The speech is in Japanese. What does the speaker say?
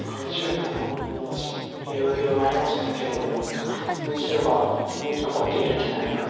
いろいろありましたけれども白が残ってるんじゃないかと思うんですが。